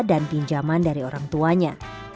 dan pinjaman dari orang tuanya